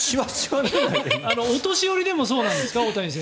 お年寄りでもそうなんですか？